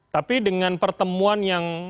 tapi dengan pertemuan yang